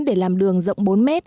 để làm đường rộng bốn m